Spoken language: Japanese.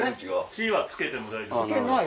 火は付けても大丈夫です。